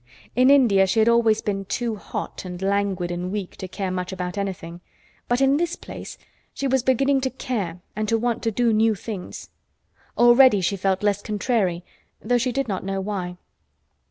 In India she had always been too hot and languid and weak to care much about anything, but in this place she was beginning to care and to want to do new things. Already she felt less "contrary," though she did not know why.